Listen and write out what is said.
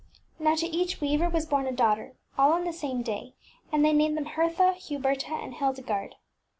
Now to each weaver was born a daughter, all on the same day, and they named them Hertha, Huberta, and Hildegarde.